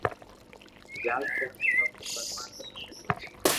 ياد ڪري ھي اوني پرماتما ملي ھي